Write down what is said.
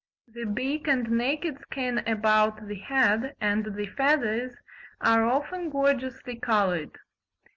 The beak and naked skin about the head, and the feathers, are often gorgeously coloured.